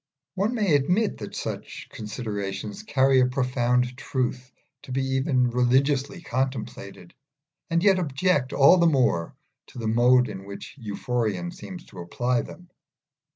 One may admit that such considerations carry a profound truth to be even religiously contemplated, and yet object all the more to the mode in which Euphorion seems to apply them.